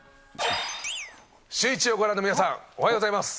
シューイチをご覧の皆さん、おはようございます。